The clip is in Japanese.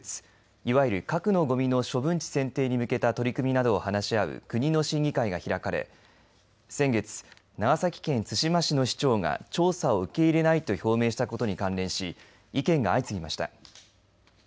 いわゆる核のごみの処分地選定に向けた取り組みなどを話し合う国の審議会が開かれ先月、長崎県対馬市の市長が調査を受け入れないと表明したことに関連し意見が相次ぎました。